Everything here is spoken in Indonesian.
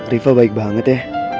rifa baik banget ya